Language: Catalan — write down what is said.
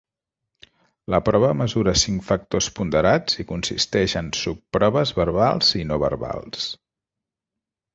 La prova mesura cinc factors ponderats i consisteix en subproves verbals i no verbals.